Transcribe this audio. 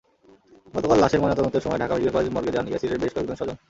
গতকাল লাশের ময়নাতদন্তের সময় ঢাকা মেডিকেল কলেজ মর্গে যান ইয়াসিনের বেশ কয়েকজন স্বজন।